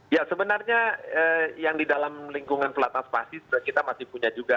ya sebenarnya yang di dalam lingkungan pelatnas pasti kita masih punya juga